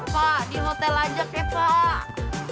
pak di hotel aja pak